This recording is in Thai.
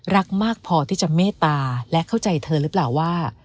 รักมากพอที่จะเมตตาและเข้าใจเธอหรือเปล่าว่า